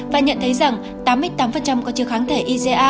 và nhận thấy rằng tám mươi tám có chứa kháng thể ica